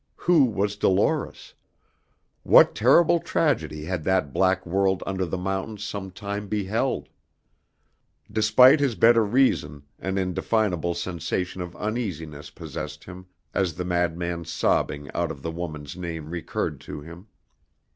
Who was Dolores? What terrible tragedy had that black world under the mountains some time beheld? Despite his better reason an indefinable sensation of uneasiness possessed him as the madman's sobbing out of the woman's name recurred to him.